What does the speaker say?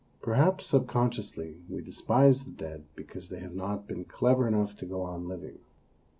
Perhaps, subconsciously, we despise the dead because they have not been clever enough to go on living.